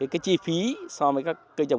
cái chi phí so với các cây trồng